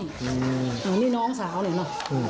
อันนี้น้องสาวเลยเนอะ